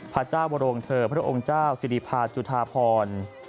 พระเจ้าบรงเธอพระองค์เจ้าสิริพาจุธาพร